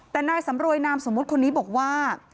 แต่นายสำรวยนามสมมุติคนนี้บอกว่า